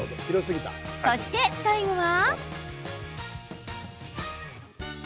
そして最後は。